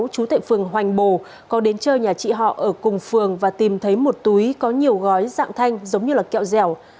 chú tệ phường hoành bồ có đến chơi nhà chị họ ở cùng phường và tìm thấy một túi có nhiều gói dạng thanh giống như kẹo dẻo